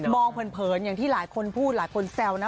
เผินอย่างที่หลายคนพูดหลายคนแซวนะ